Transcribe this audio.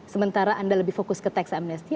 sementara anda lebih fokus ke tax amnesty